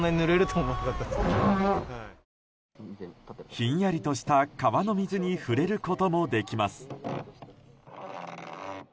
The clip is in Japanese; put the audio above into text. ひんやりとした川の水に触れることもできます。